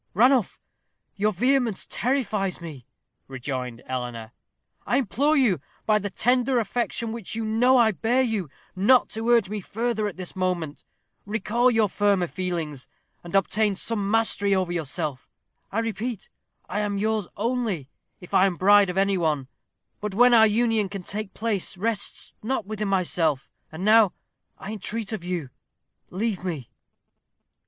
"Ranulph, your vehemence terrifies me," rejoined Eleanor. "I implore you, by the tender affection which you know I bear you, not to urge me further at this moment. Recall your firmer feelings, and obtain some mastery over yourself. I repeat, I am yours only, if I am bride of any one. But when our union can take place rests not with myself. And now, I entreat of you, leave me."